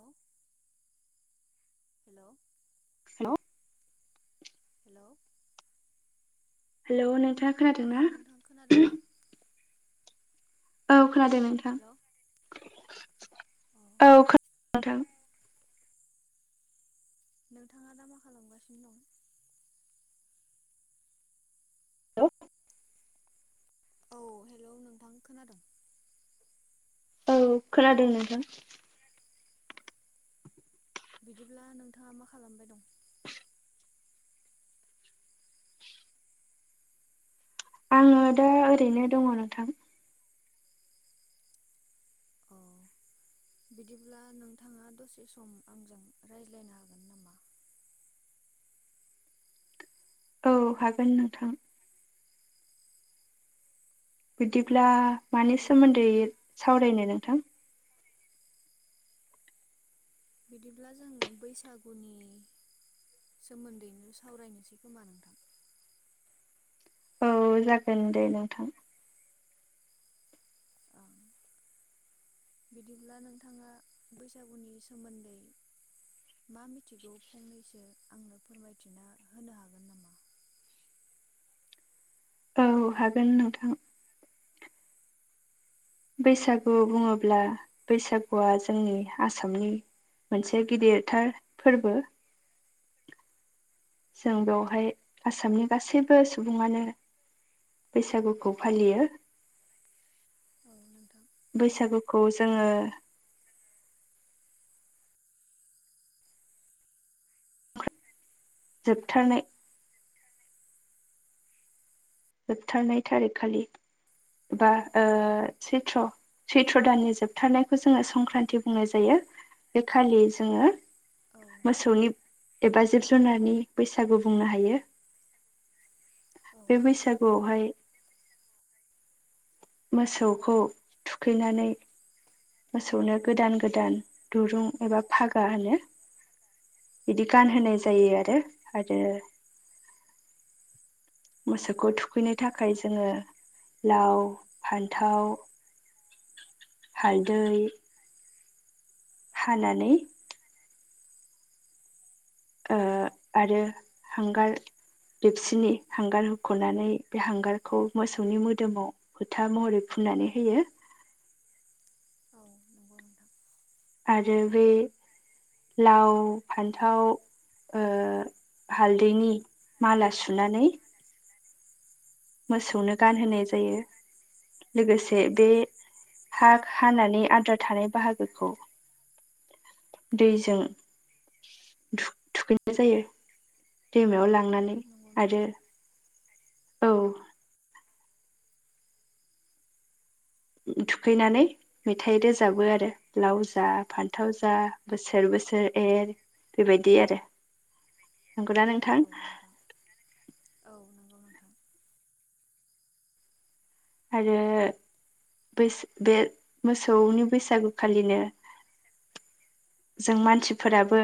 Hello hello hello hello hello नोंथां hello नोंथां खोनादों ना? औ खोनादों नोंथां हेलौ अ औ खोनादों नोंथां। नोंथाङा दा मा खालामगासिनो दं? हेलौ औ हेलौ नोंथां खोनादों। औ खोनादों नोंथां। बिदिब्ला नोंथाङा मा खालामबाय दं? [inaudible] आङो दा ओरैनो दङ नोंथां। अ बिदिब्ला नोंथाङा दसे सम आंजों रायज्लायनो हागोन नामा? औ हागोन नोंथां। बिदिब्ला मानि बिदिब्ला सोमोन्दै जों सावरायनो नोंथां? बिदिब्ला जों बैसागुनि सोमोन्दैनो सावरायनोसै खोमा नोंथां। औ जागोन दे नोंथां। ओ बिदिब्ला नोंथाङा बैसागुनि सोमोन्दै मा मिथिगौ फंनैसो आंनो फोरमायथिना होनो हागोन नामा? औ हागोन नोंथां। बैसागु बुङोब्ला बैसागुआ जोंनि आसामनि मोनसे गिदिरथार फोरबो। [inaudible] जों बेवहाय आसामनि गासैबो सुबुङानो बैसागुखौ फालियो। औ नोंथां। बैसागुखौ जोङो जोबथारनाय जोबथारनाय थारिखखालि बा ओ सैथ्र' सैथ्र' दाननि जोबथारनायखौ जोङो संक्रान्ति बुंनाय जायो बे खालि जोङो औ मोसौनि नोंथां एबा जिब जुनारनि बैसागु बुंनो हायो औ बे बैस गुआव हाय मोसौखौ थुखैनानै मोसौनो गोदान गोदान दुरुं एबा फागा होनो बिदि गानहोनाय नंगौ जायो आरो नोंथां आरो मोसौखौ थुखैनो थाखाय जोङो लाव फान्थाव हालदै हानानै ओ आरो हांगार दिबसिनि हांगार होखु'नानै बे हांगारखौ मोसौनि मोदोमाव फोथा महरै फुननानै होयो। औ नंगौ नोंथां। आरो बे लाव फान्थाव ओ हालदैनि माला सुनानै मोसौनो गानहोनाय जायो लोगोसे बे [unintelligible] खानानै आद्रा थानाय बाहागोखौ दैजों थुख-थुखैनाय जायो दैमायाव लांनानै। नंगौ आरो नोंथां। औ थुखैनानै मेथाइ रोजाबो आरो लाव जा फान्थाव जा बोसोर बोसोर एर बेबायदि आरो नंगौना नों औ नोंथां औ नंगौ नोंथां। आरो बैस बे मोसौनि बैसागुखालिनो जों मानसिफोराबो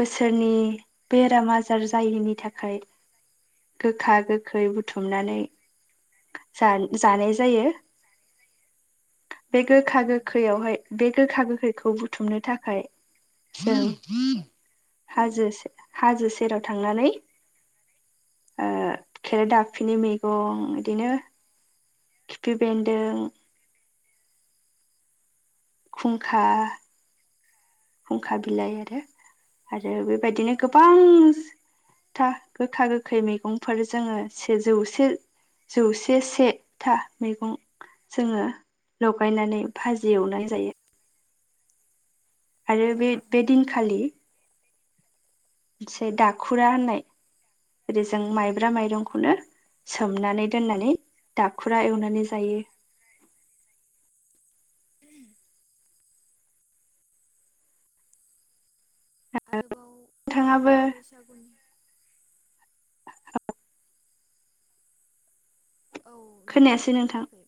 बोसोरनि बेराम आजार जायैनि थाखाय गोखा गोखै बुथुमनानै जान-जानाय जायो बे औ गोखा नंगौ नोंथां गोखैयावहाय बे गोखा गोखैखौ बुथुमनो थाखाय जों हाजो से हाजो सेराव थांनानै ओ औ खेराइ दाफिनि मैगं बिदिनो खिफि बेेन्दों खुंखा खुंखा बिलाइ आरो आरो बेबायदिनो औ गोबां था गोखा गोखै मैगंफोर जोङो सेजौ से जौसे सेथा मैगं जोङो लगायनानै भाजि एवनाय जायो। आरो औ बे बे नंगौ नोंथां दिनखालि मोनसे दाखुरा होननाय ओरै जों माइब्रा माइरंखौनो सोमनानै दोननानै दाखुरा एवनानै जायो। [inaudible] आरोबाव नोंथाङाबो बैसागुनि औ नोंथां खोनायाखै?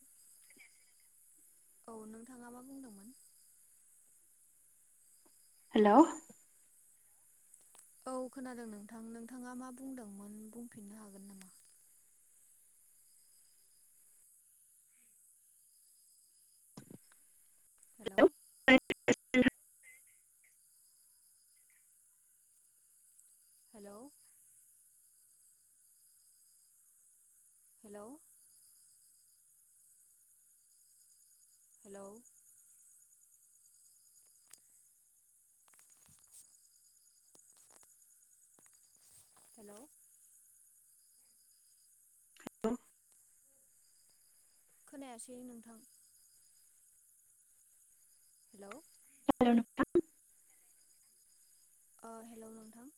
औ नोंथाङा मा बुंदोंमोन? हेल' औ खोनादों नोंथां। नोंथाङा मा बुंदोंमोन बुंफिननो हागोन नामा? हेल' ब [unintelligible] हेल' हेल' हेल' हेल' खोनायासै नोंथां। हेल' हेल नोंथां। अ हेल' नोंथां।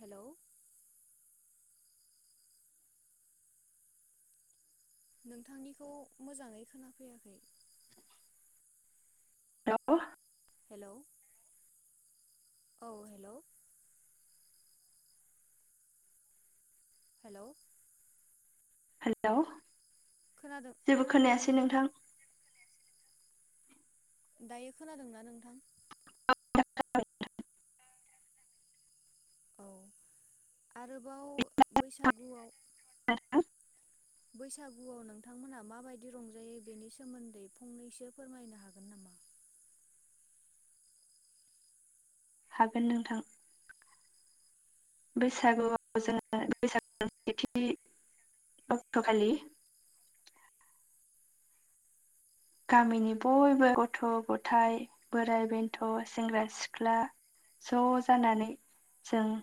हेल' नोंथांनिखौ मोजाङै खोनाफैयाखै। हेल' हेल' औ हेल' हेल' हेल' खोनादों जेबो खोनादोंना खोनायासै नोंथां। दायो खोनादोंना नोंथां? औ आरोबाव बैसागुआव ह [unintelligible] बैसागुआव नोंथांमोनहा माबायदि रंजायो बेनि सोमोन्दै फंनैसो फोरमायनो हागोन नामा? हागोन नोंथां। बैसागुआव जोङो बैसागु सेथि अक्ट'खालि गामिनि बयबो गथ' गथायाइ बोराइ बेन्थ' सेंग्रा सिख्ला ज' जानानै जों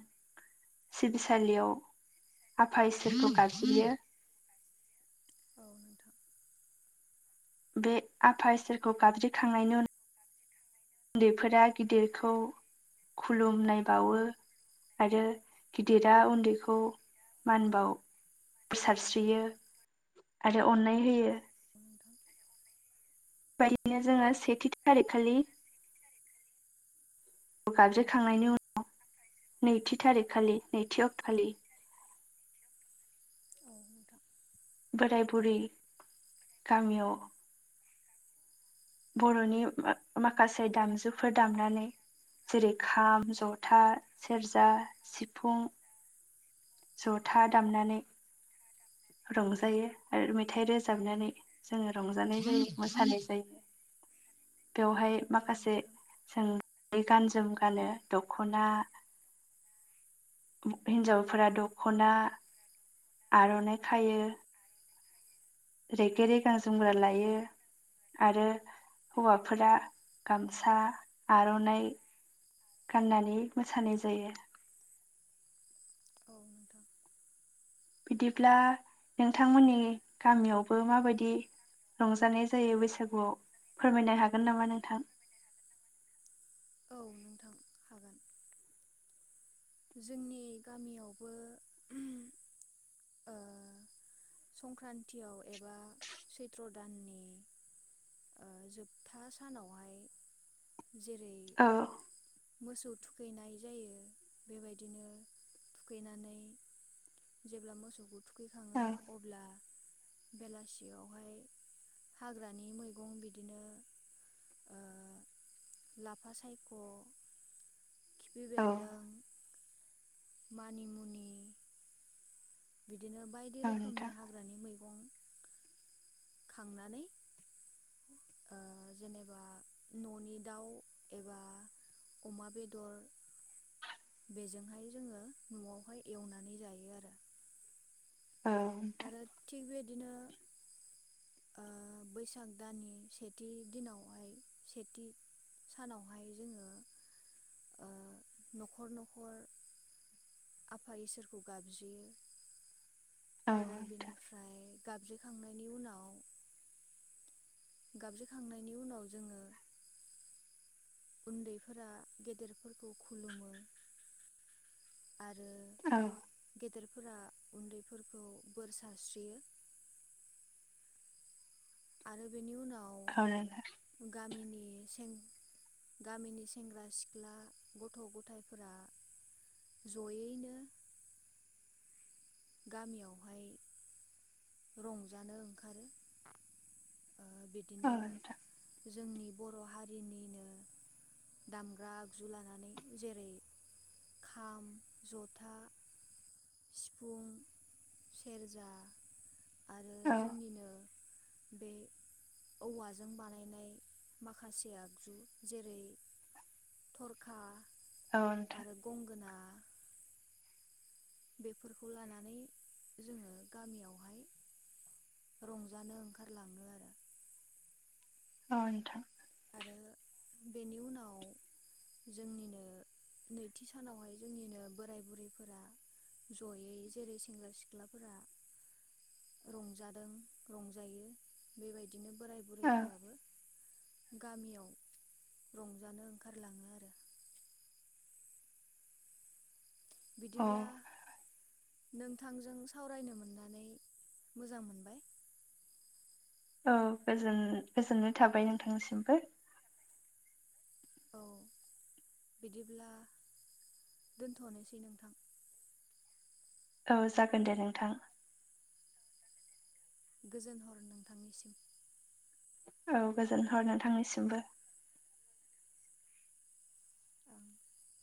सिबिसालियाव आफा इसोरखौ गाब्ज्रियो। औ नोंथां बे आफा इसोरखौ गाबज्रिखांनायनि उना उन्दैफोरा गिदिरखौ खुलुमनाय बावो। आरो गिदिरा उन्दैखौ मान बाव सारस्रियो आरो अन्नाय होयो। उथां [unintelligible] बेबायदिनो जोङो सेथि थारिखखालि गाबज्रिखांनायनि उनाव नैथि थारिखखालि नैथि अक्ट' खालि औ नोंथां बोराय बुरै गामियाव बर'नि माखासे दामजुफोर दामनानै जेरै खाम जथा सेरजा सिफुं जथा दामनानै रंजायो आरो मेथाइ रोजाबनानै जोङो रंजानाय जायो मोसानाय जायो। बेवहाय औ माखासे नोंथां सों गान जोम गानो दख'ना हिनजावफोरा दख'ना आर'नाइ खायो रेगे रेगां जोमग्रा लायो आरो हौवाफोरा गामसा आर'नाइ गाननानै मोसानाय जायो। औ नोंथां। बिदिब्ला नोंथांमोननि गामियावबो माबायदि रंजानाय जायो बैसागुआव फोरमायनो हागोन नामा नोंथां? औ नोंथां हागोन। जोंनि गामियावबो ओ संक्रान्तियाव एबा सैथ्र' दाननि ओ जोबथा सानावहाय जेरै औ मोसौ थुखैनाय जायो बेबायदिनो थुखैनानै जेब्ला मोसौखौ थुखैखाङो औ अब्ला बेलासियावहाय हाग्रानि मैगं बिदिनो ओ लाफा सायख', खिफि औ बेन्दों मानिमुनि बिदिनो बायदि औ रोखोमनि नोंथां हा ग्रानि मैगं खांनानै ओ जेनेबा न'नि दाउ एबा अमा बेदर बेजोंहाय जोंङो न'आवहाय एवनानै जायो आरो। आ। आरो थिग बेबायदिनो ओ बैसाग दान सेथि दिनावहाय सेथि सानावहाय जोंङो ओ न'खर न'खर आफा इसोरखौ गाबज्रियो औ आरो नोंथां बिनिफ्राय गाबज्रिखांनायनि उनाव गाबज्रिखांनायनि उनाव जोंङो उन्दैफोरा गेदेरफोरखौ खुलुमो। आरो औ। गेदेरफोरा उन्दैफोरखौ बोर सारस्रियो। आरो बेनि उनाव औ नोंथां गामिनि सें गामिनि सेंग्रा सिख्ला गथ' गथायफोरा जयैनो गामियावहाय रंजानो ओंखारो ओ बिदिनो औ नोंथां जोंनि बर' हारिनिनो दामग्रा आगजु लानानै जेरै खाम, जथा सिफुं, सेरजा आरो औ जोंनिनो बे औवाजों बानायनाय माखासे आगजु जेरै थरखा औ नोंथां आरो गंगोना। बेफोरखौ लानानै जोंङो गामियावहाय रंजानो ओंखारलाङो आरो। ओ नोंथां। आरो बेनि उनाव जोंनिनो नैथि सानावहाय जोंनिनो बोराय बुरैफोरा जयै जेरै सेंग्रा सिख्लाफोरा रंजादों रंजायो बेबायदिनो बोराय औ बुरैफोराबो गामियाव रंजानो ओंखारलाङो आरो। औ बिदिब्ला नोंथांजों सावरायनो मोननानै मोजां मोनबाय। औ गोजोन गोजोननाय थाबाय नोंथांनि सिमबो। औ बिदिब्ला दोनथ'नोसै नोंथां। औ जागोन दे नोंथां। गोजोन हर नोंथांनिसिम। औ गोजोन हर नोंथांनिसिमबो। औ